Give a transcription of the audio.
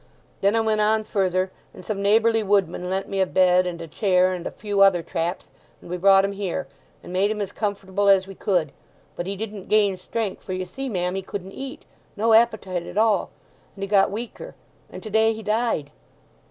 Then I went on further, and some neighbourly woodmen lent me a bed, and a chair, and a few other traps, and we brought 'em here, and made him as comfortable as we could. But he didn't gain strength, for you see, ma'am, he couldn't eat—no appetite at all—and he got weaker; and to day he died.